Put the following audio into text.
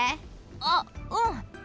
あっうん。